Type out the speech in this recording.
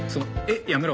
やめろ。